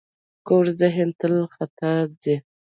کوږ ذهن تل خطا ځي